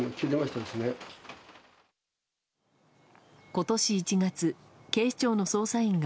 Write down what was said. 今年１月、警視庁の捜査員が